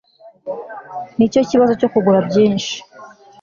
Nicyo kibazo cyo kugura byinshi